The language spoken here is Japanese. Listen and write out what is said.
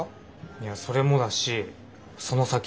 いやそれもだしその先も。